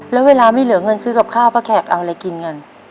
แล้วเวลาไม่เหลือเงินซื้อกับข้าวป้าแขกเอาอะไรกินกัน